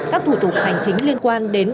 các thủ tục hành chính liên quan đến